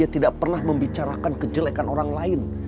dia tidak pernah membicarakan kejelekan orang lain